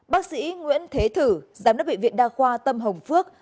bác sĩ nguyễn thế thử giám đốc bệnh viện đa khoa tâm hồng phước